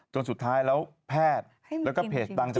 จนสุดท้ายหรือแพทย์